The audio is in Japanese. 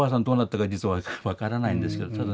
どうなったか実は分からないんですけど。